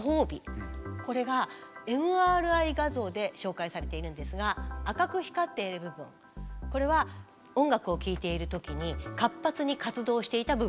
これがＭＲＩ画像で紹介されているんですが赤く光っている部分これは音楽を聴いている時に活発に活動していた部分です。